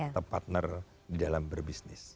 atau partner di dalam berbisnis